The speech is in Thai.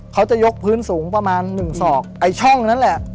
เขาจะยกพื้นสูงประมาณหนึ่งศอกไอ้ช่องนั้นแหละ